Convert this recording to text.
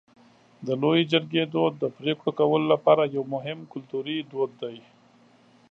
د لویې جرګې دود د پرېکړو کولو لپاره یو مهم کلتوري دود دی.